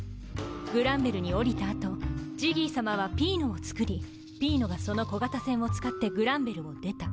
グランベルに降りた後ジギーさまはピーノを造りピーノがその小型船を使ってグランベルを出た。